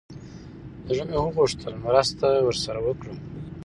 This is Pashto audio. زړه مې وغوښتل مرسته ورسره وکړم.